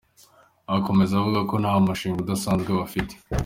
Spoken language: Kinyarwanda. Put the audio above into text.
Akomeza avuga ko nta mushinga udasanzwe bafite.